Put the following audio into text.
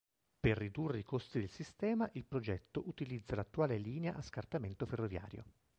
Per ridurre i costi del sistema, il progetto utilizza l'attuale linea a scartamento ferroviario.